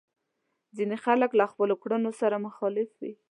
ځينې خلک له خپلو کړنو سره مخالف وي.